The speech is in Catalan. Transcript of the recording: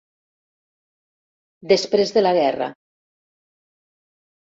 Després de la guerra.